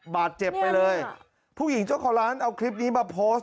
บาดเจ็บไปเลยผู้หญิงเจ้าของร้านเอาคลิปนี้มาโพสต์